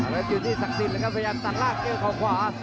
แล้วอยู่ที่ศักดิ์สินทร์แล้วครับพยายามตัดลากเนื้อของขวา